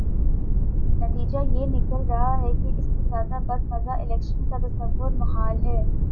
نتیجہ یہ نکل رہا ہے کہ اس سے زیادہ بدمزہ الیکشن کا تصور محال ہے۔